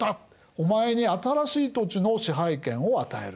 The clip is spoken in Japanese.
お前に新しい土地の支配権を与える」。